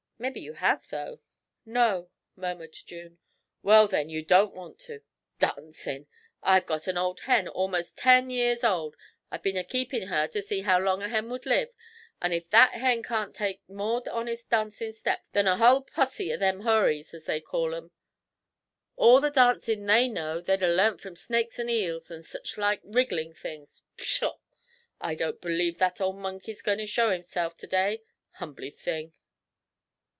Mebbe ye have, though?' 'No,' murmured June. 'Well, then, you don't want to. Dancin'! I've got an old hen, a'most ten years old I've been a keepin' her to see how long a hen would live an' if that hen can't take more honest dancin' steps than the hull posse of them hourys, as they call 'em. All the dancin' they know they'd 'a' learnt from snakes and eels, an' sich like wrigglin' things. Pshaw! I don't b'lieve that ole monkey's goin' to show hisself to day, humbly thing!'